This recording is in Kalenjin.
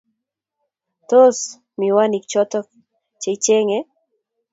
Tos, miwanik choto cheichenge?